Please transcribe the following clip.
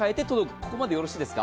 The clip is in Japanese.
ここまでよろしいですか？